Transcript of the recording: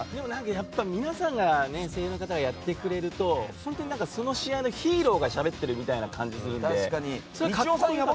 やっぱり皆さん声優の方がやってくれると本当にその試合のヒーローがしゃべってるみたいな感じがするので。